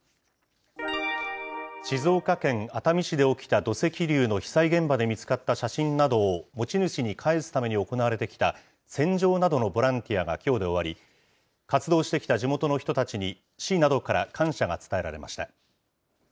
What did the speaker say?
静岡県熱海市で起きた土石流の被災現場で見つかった写真などを持ち主に返すために行われてきた、洗浄などのボランティアがきょうで終わり、活動してきた地元の人たちに、市などから感謝が伝えられました。